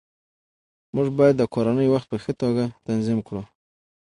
موږ باید د کورنۍ وخت په ښه توګه تنظیم کړو